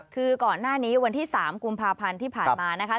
คือก่อนหน้านี้วันที่๓กุมภาพันธ์ที่ผ่านมานะคะ